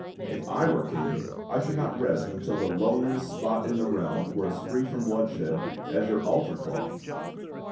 If I were king I shoidd not rest until the loneliest spot in the realm were as free from bloodshed as your altar cloth."